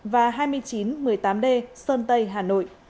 và hai nghìn chín một mươi tám d sơn tây hà nội